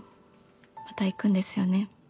また行くんですよね。